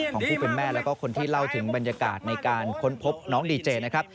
ของผู้เป็นแม่แล้วก็คนที่เล่าถึงบรรยากาศในการค้นพบน้องดีเจนะครับ